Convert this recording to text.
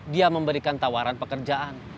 dia memberikan tawaran pekerjaan